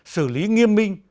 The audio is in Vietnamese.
sử lý nghiêm minh